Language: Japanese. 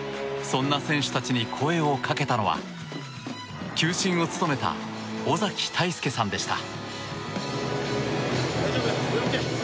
そんな選手たちに声をかけたのは球審を務めた尾崎泰輔さんでした。